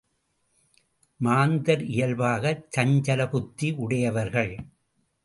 மாந்தர் இயல்பாகச் சஞ்சலப்புத்தி உடையவர்கள்.